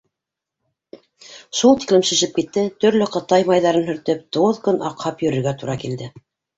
Шул тиклем шешеп китте, төрлө ҡытай майҙарын һөртөп, туғыҙ көн аҡһап йөрөргә тура килде.